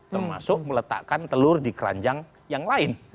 termasuk meletakkan telur di keranjang yang lain